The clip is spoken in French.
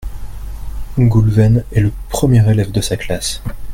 Goulven est le premier élève de sa classe.